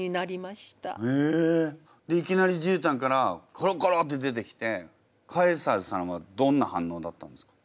でいきなりじゅうたんからコロコロって出てきてカエサルさんはどんな反応だったんですか？